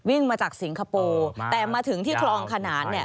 วิ่งมาจากสิงคโปร์แต่มาถึงที่คลองขนานเนี่ย